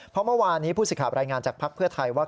เพราะเมื่อวานนี้ผู้สิทธิ์รายงานจากภักดิ์เพื่อไทยว่า